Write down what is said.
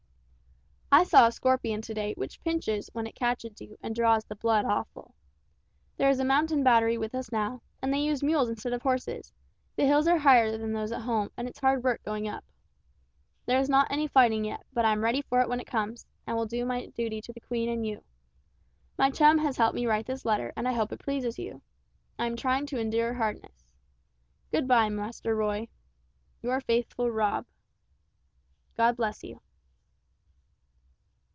I saw a scorpion to day which pinches when it catches you and draws the blood awful. There is a mountain battery with us now, and they use mules instead of horses, the hills are higher than those at home and it's hard work going up. There is not any fighting yet, but I am ready for it when it comes, and will do my duty to the Queen and you. My chum has helped me write this letter and I hope it pleases you. I am trying to endure hardness. Good bye, Master Roy, "Your faithful ROB. "God bless you."